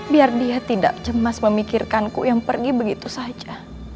biar dia tidak cemas memikirkanku yang pergi begitu saja